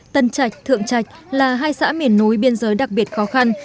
tân trạch thượng trạch là hai xã miền núi biên giới đặc biệt khó khăn